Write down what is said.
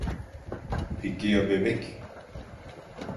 Peki ya bebek?